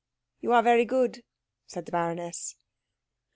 "You are very good," said the baroness.